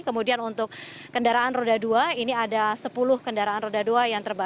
kemudian untuk kendaraan roda dua ini ada sepuluh kendaraan roda dua yang terbakar